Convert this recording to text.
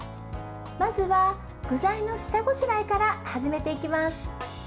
まずは具材の下ごしらえから始めていきます。